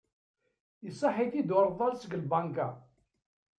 Iṣaḥ-it-id ureḍḍal seg tbanka.